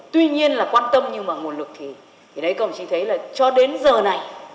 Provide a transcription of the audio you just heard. tuy nhiên là quan tâm nhưng mà nguồn lực thì thì đấy cậu chỉ thấy là cho đến giờ này